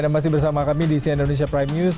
masih bersama kami di indonesia prime news